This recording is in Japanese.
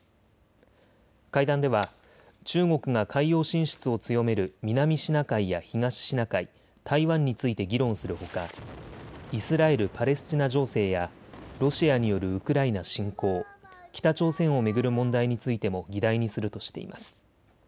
会談では中国が海洋進出を強める南シナ海や東シナ海、台湾について議論するほかイスラエル・パレスチナ情勢やロシアによるウクライナ侵攻、北朝鮮を巡る問題についても議題にするとしています。